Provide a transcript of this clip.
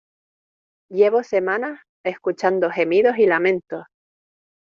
llevo semanas escuchando gemidos y lamentos